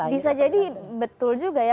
bisa jadi betul juga ya